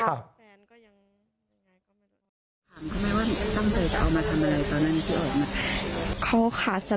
การอยู่ที่กดน็อคก็จากเรื่องนี้แล้วนะคะ